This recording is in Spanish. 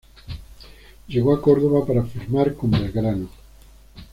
Llegó a Córdoba para firmar con Belgrano.